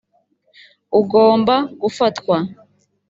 ugomba gufatwa